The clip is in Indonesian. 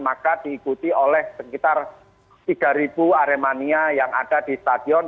maka diikuti oleh sekitar tiga aremania yang ada di stadion